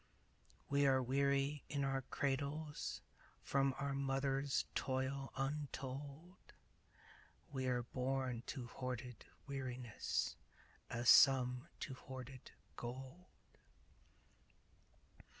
We are weary in our cradles From our mother's toil untold; We are born to hoarded weariness As some to hoarded gold.